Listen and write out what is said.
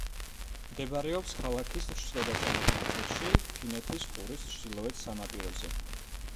მდებარეობს ქალაქის ჩრდილო-დასავლეთ ნაწილში, ფინეთის ყურის ჩრდილოეთ სანაპიროზე.